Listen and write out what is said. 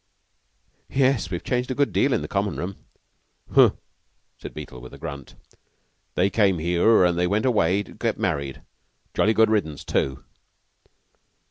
"Yes, we've changed a good deal in Common room." "Huh!" said Beetle with a grunt. "They came here, an' they went away to get married. Jolly good riddance, too!"